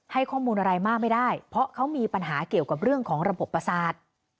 ให้ข้อมูลอะไรมากไม่ได้เพราะเขามีปัญหาเกี่ยวกับเรื่องของระบบประสาท